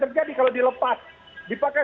terjadi kalau dilepas dipakai